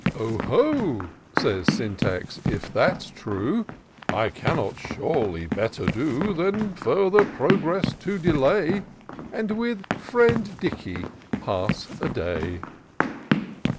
" O ho !" says Syntax, " if that's true, I cannot surely better do Than further progress to delay. And with Friend Dicky pass a day."